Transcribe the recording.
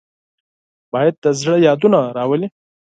باد د زړه یادونه راولي